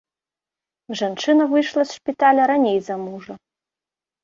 Жанчына выйшла з шпіталя раней за мужа.